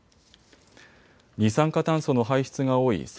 二酸化炭素の排出が多い